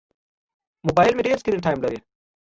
موبایل مې ډېر سکرین ټایم لري.